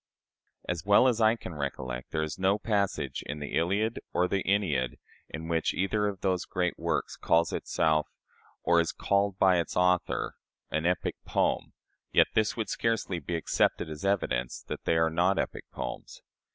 As well as I can recollect, there is no passage in the "Iliad" or the "Æneid" in which either of those great works "calls itself," or is called by its author, an epic poem, yet this would scarcely be accepted as evidence that they are not epic poems.